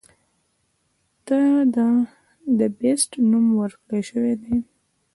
ته د “The Beast” نوم ورکړے شوے دے.